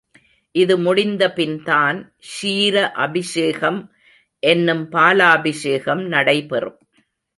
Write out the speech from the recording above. இது முடிந்த பின்தான் க்ஷீர அபிஷேகம் என்னும் பாலபிஷேகம் நடைபெறும்.